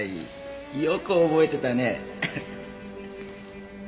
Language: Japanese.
よく覚えてたね。